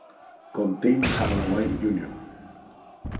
Con Tim Hardaway Jr.